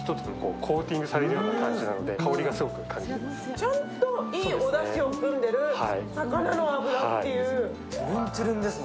ちゃんといいおだしを含んでいる魚の脂という。